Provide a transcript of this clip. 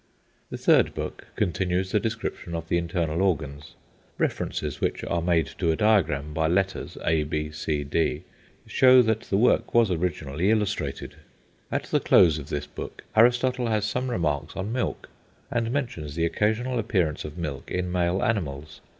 The third book continues the description of the internal organs. References which are made to a diagram by letters, a, b, c, d, show that the work was originally illustrated. At the close of this book Aristotle has some remarks on milk, and mentions the occasional appearance of milk in male animals.